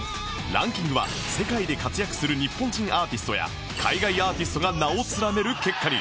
ランキングは世界で活躍する日本人アーティストや海外アーティストが名を連ねる結果に